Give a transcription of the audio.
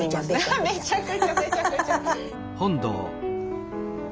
ぺちゃくちゃぺちゃくちゃ。